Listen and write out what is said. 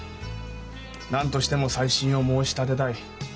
何としても再審を申し立てたい。